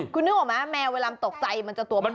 คุณนึกออกไหมว่าแมวเวลาตกใจมันจะตัวพอง